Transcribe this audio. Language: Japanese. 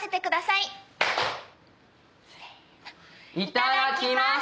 いただきます！